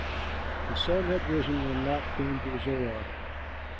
The sun had risen when Lot came to Zoar.